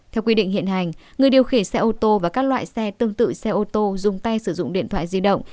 theo quy định hiện hành người điều khiển xe ô tô và các loại xe tương tự xe ô tô dùng tay sử dụng điện thoại di động